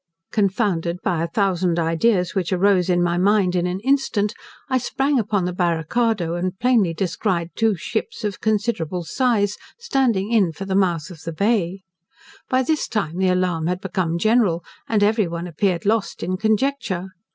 Confounded by a thousand ideas which arose in my mind in an instant, I sprang upon the barricado and plainly descried two ships of considerable size, standing in for the mouth of the Bay. By this time the alarm had become general, and every one appeared lost in conjecture.